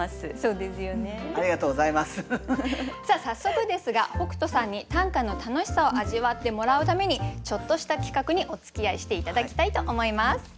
早速ですが北斗さんに短歌の楽しさを味わってもらうためにちょっとした企画におつきあいして頂きたいと思います。